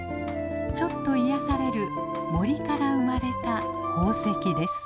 ちょっと癒やされる森から生まれた宝石です。